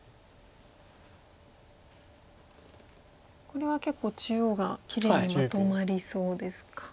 これは結構中央がきれいにまとまりそうですか。